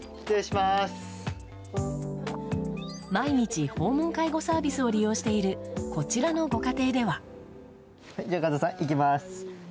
毎日、訪問介護サービスを利用しているこちらのご家庭では。